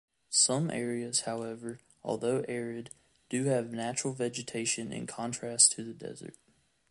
Some areas, however, although arid, do have natural vegetation in contrast to the desert.